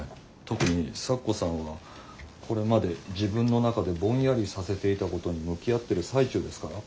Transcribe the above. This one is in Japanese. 特に咲子さんはこれまで自分の中でぼんやりさせていたことに向き合ってる最中ですから。